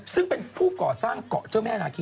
ซึ่งเป็นผู้ก่อสร้างเกาะเจ้าแม่นาคี